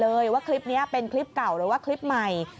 เลยว่าคลิปนี้เป็นคลิปเก่าหรือว่าคลิปใหม่